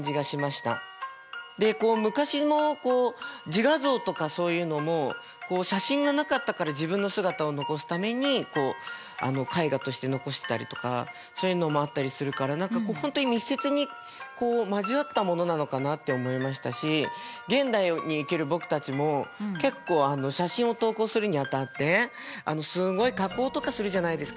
でこう昔の自画像とかそういうのも写真がなかったから自分の姿を残すためにこう絵画として残したりとかそういうのもあったりするから何かこう本当に密接に交わったものなのかなって思いましたし現代に生きる僕たちも結構写真を投稿するにあたってすごい加工とかするじゃないですか。